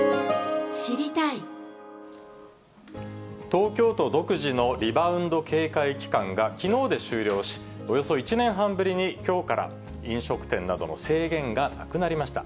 東京都独自のリバウンド警戒期間がきのうで終了し、およそ１年半ぶりにきょうから飲食店などの制限がなくなりました。